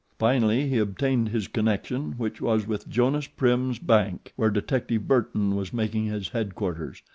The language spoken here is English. Finally he obtained his connection, which was with Jonas Prim's bank where detective Burton was making his headquarters.